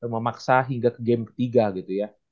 memaksa hingga ke game ketiga gitu ya